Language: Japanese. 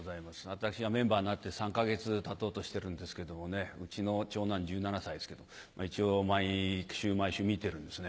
私がメンバーになって３か月たとうとしてるんですけどもねうちの長男１７歳ですけど一応毎週毎週見てるんですね。